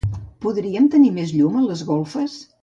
Podríem tenir més llum a les golfes?